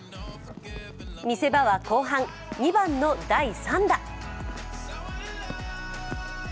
見せ場は後半、２番の第３打。